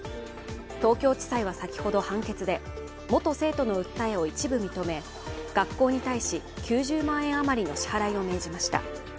東京地裁は先ほど判決で元生徒の訴えを一部認め学校に対し、９０万円余りの支払いを命じました。